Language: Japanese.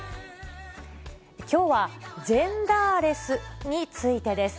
きょうはジェンダーレスについてです。